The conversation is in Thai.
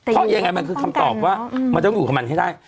เพราะยังไงมันคือคำตอบว่ามันต้องอยู่กับมันให้ได้